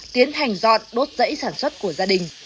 tiến hành dọn đốt dãy sản xuất của gia đình